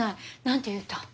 何て言うたん？